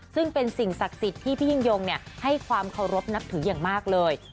ซึ่งเป็นสิ่งศักดิ์สิทธิ์ที่พี่ยิ่งยงให้ความเคารพนับถืออย่างมากเลย